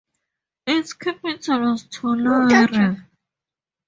Its capital was Toliara.